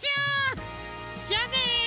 じゃあね！